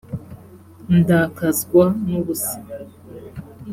ndakazwa n’ubusa